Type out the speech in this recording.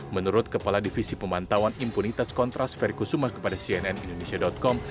menurut kepala divisi pemantauan impunitas kontras ferry kusuma kepada cnn indonesia com